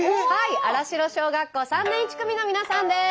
新城小学校３年１組の皆さんです。